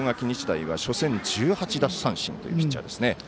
日大は初戦１８奪三振というピッチャーですね。